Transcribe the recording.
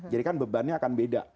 jadi kan bebannya akan beda